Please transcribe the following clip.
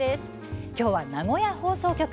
きょうは名古屋放送局。